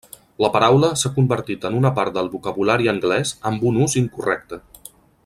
La paraula s'ha convertit en una part del vocabulari anglès amb un ús incorrecte.